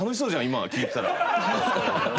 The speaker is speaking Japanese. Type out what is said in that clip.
今聞いてたら。